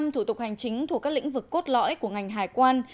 bảy mươi thủ tục hành chính thuộc các lĩnh vực cốt lõi của ngành hải quan